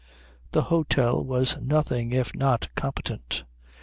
The hôtel was nothing if not competent.